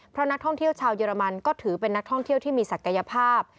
เพราะนักท่องเที่ยวชาวเยอรมันก็ถือเป็นนักท่องเที่ยวที่มีศักยภาพ